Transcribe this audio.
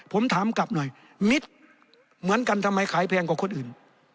ผมถามกลับหน่อยมิตรเหมือนกันทำไมขายแพงกว่าคนอื่น